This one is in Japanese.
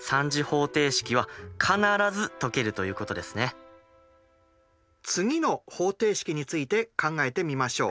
因数分解して次の方程式について考えてみましょう。